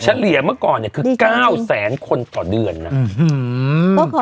เฉลี่ยเมื่อก่อนเนี่ยคือ๙แสนคนต่อเดือนนะ